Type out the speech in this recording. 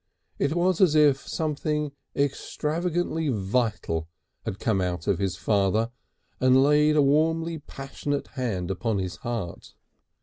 It was as if something extravagantly vital had come out of his father and laid a warmly passionate hand upon his heart.